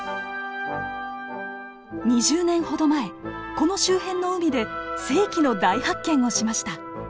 ２０年ほど前この周辺の海で世紀の大発見をしました。